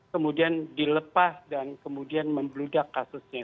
kemudian dilepas dan kemudian membludak kasusnya